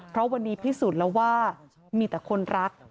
เพราะวันนี้พิสูจน์แล้วว่ามีแต่คนรัก